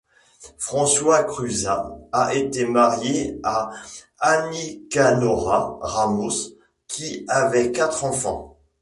François Cruzat a été marié à Anicanora Ramos, qui avait quatre enfants.